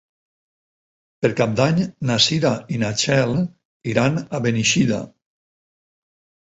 Per Cap d'Any na Cira i na Txell iran a Beneixida.